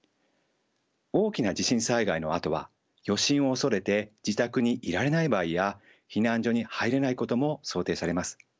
大きな地震災害のあとは余震を恐れて自宅にいられない場合や避難所に入れないことも想定されます。